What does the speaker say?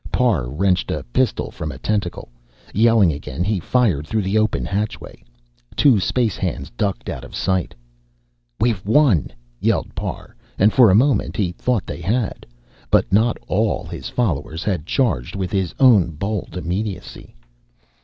Parr wrenched a pistol from a tentacle. Yelling again, he fired through the open hatchway. Two space hands ducked out of sight. "We've won!" yelled Parr, and for a moment he thought they had. But not all his followers had charged with his own bold immediacy.